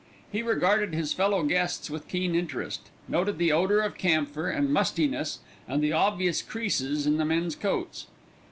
He regarded his fellow guests with keen interest, noted the odour of camphor and mustiness and the obvious creases in the men's coats.